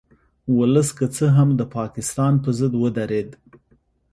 ولس که څه هم د پاکستان په ضد ودرید